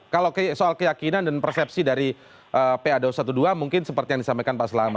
kalau soal keyakinan dan persepsi dari pado dua belas mungkin seperti yang disampaikan pak selama